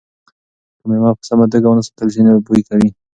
که مېوه په سمه توګه ونه ساتل شي نو بوی کوي.